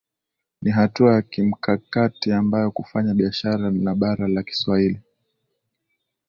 Ni hatua ya kimkakati ambayo kufanya biashara na bara la Kiswahili